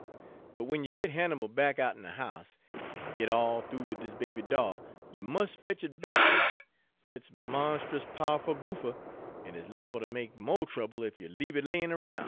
But w'en you git Hannibal out'n de house, en git all th'oo wid dis baby doll, you mus' fetch it back ter me, fer it's monst'us powerful goopher, en is liable ter make mo' trouble ef you leabe it layin' roun'.'